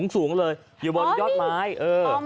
สูงเลยอยู่บนยอดไม้เออ